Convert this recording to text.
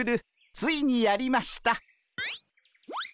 ついにやりました。